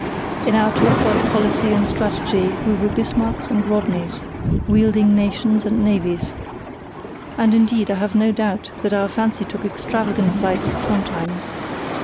In our talk about policy and strategy we were Bismarcks and Rodneys, wielding nations and navies; and, indeed, I have no doubt that our fancy took extravagant flights sometimes.